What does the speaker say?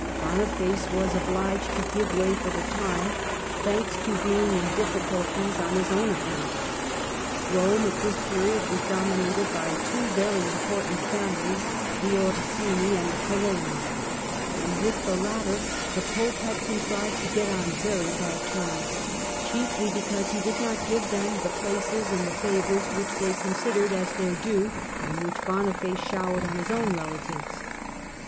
Boniface was obliged to give way for the time, thanks to being in great difficulties on his own account, Rome at this period was dominated by two very important families, the Orsini and the Colonna, and with the latter the Pope had contrived to get on very bad terms, chiefly because he did not give them the places and the favours which they considered as their due, and which Boniface showered on his own relatives.